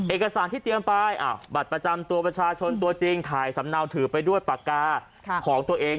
เอกสารที่เตรียมไปบัตรประจำตัวประชาชนตัวจริงถ่ายสำเนาถือไปด้วยปากกาของตัวเอง